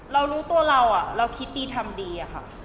เรารู้ตัวเราเราคิดดีทำดีอะค่ะ